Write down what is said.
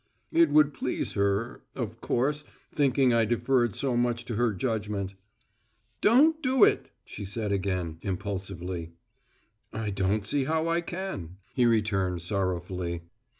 "It would please her, of course thinking I deferred so much to her judgment." "Don't do it!" she said again, impulsively. "I don't see how I can," he returned sorrowfully.